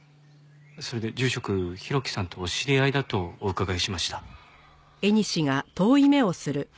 それで住職浩喜さんとお知り合いだとお伺いしました。